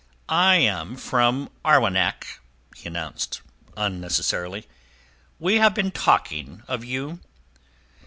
"I am from Arwenack," he announced unnecessarily. "We have been talking of you."